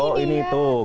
oh ini tuh